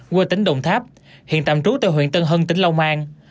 quê tỉnh đồng tháp hiện tạm trú tại huyện tân hân tỉnh long an